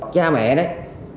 cha mẹ này